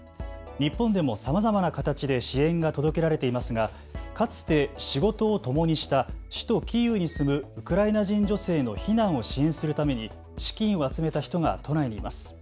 日本でもさまざまな形で支援が届けられていますがかつて仕事をともにした首都キーウに住むウクライナ人女性の避難を支援するために資金を集めた人が都内にいます。